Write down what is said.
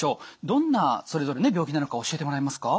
どんなそれぞれ病気なのか教えてもらえますか？